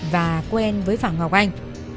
và quen với phạm ngọc anh